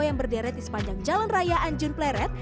yang berderet di sepanjang jalan raya anjun pleret